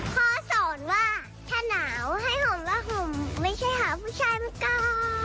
พ่อสอนว่าถ้าหนาวให้ห่มแล้วห่มไม่ใช่หาผู้ชายมาก่อน